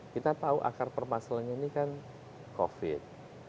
kita tahu akar permasalahan ini kan covid